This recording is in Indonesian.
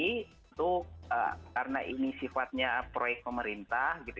tentu karena ini sifatnya proyek pemerintah